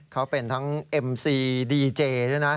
เขาเป็นทั้งเอ็มซีดีเจด้วยนะ